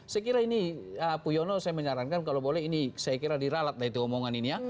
saya kira ini puyo nenang saya menyarankan kalau boleh ini saya kira diralat dari omongan ini ya